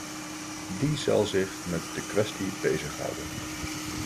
Die zal zich met de kwestie bezighouden.